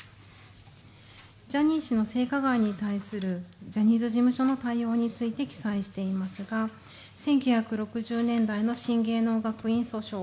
ジャニー氏の性加害に対するジャニーズ事務所の対応について記載していますが１９６０年代の学院の訴訟